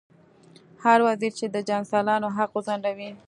هر وزیر چې د جنګسالارانو حق وځنډوي.